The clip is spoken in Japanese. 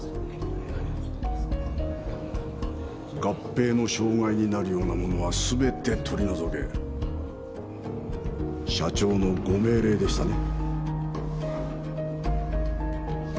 「合併の障害になるようなものはすべて取り除け」社長のご命令でしたね？